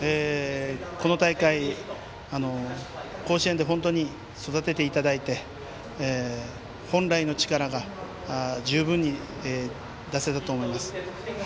この大会、甲子園で本当に育てていただいて、本来の力が十分に出せたと思います。